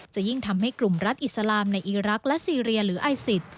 จะยิ่งทำให้กลุ่มรัฐอิสลามในอีรักษ์และซีเรียหรือไอซิส